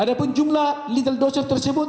adapun jumlah lethal dosis tersebut